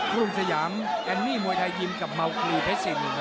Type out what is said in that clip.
กรุงสยามแอนมี่มวยไทยยิมกับเมาคลีเพชรศิลป์